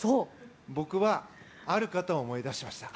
僕は、ある方を思い出しました。